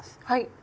はい。